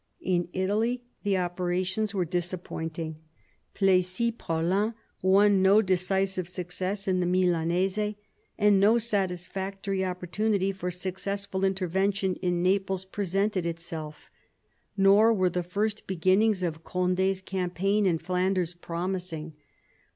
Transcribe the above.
In Italy the operations were disappointing. Plessis Praslin won no decisive success in the Milanese, and no satisfactory opportunity for successful intervention in Naples presented itself. Nor were the first beginnings of Condi's campaign in Flanders promising.